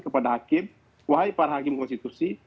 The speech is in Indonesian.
kepada hakim wahai para hakim konstitusi